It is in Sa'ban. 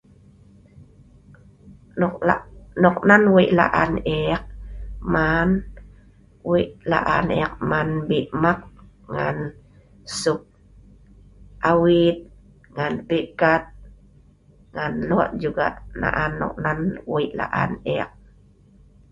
nok nan wei laan eek man, wei laan eek man bi mahgk ngan sop awit ngan peikat ngan lok jugak naan noknan wei laan eek